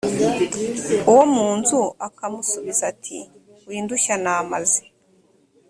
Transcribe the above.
uwo mu nzu akamusubiza ati windushya namaze